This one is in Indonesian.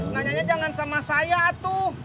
nanyanya jangan sama saya tuh